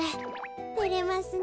てれますねえ。